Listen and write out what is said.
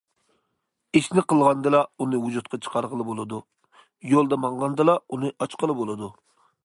ئىشنى قىلغاندىلا، ئۇنى ۋۇجۇدقا چىقارغىلى بولىدۇ، يولدا ماڭغاندىلا، ئۇنى ئاچقىلى بولىدۇ.